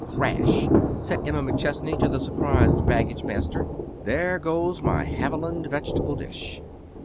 _ "Crash!" said Emma McChesney to the surprised baggage master. "There goes my Haviland vegetable dish."